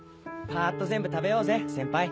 パーッと全部食べようぜセンパイ。